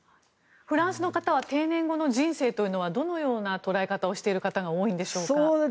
フランスの方は定年後の人生というのはどのような捉え方をしている方が多いんでしょうか。